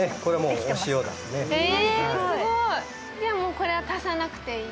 これは足さなくていい？